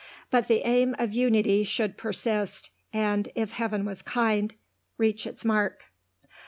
But the aim of Unity should persist, and, if heaven was kind, reach its mark.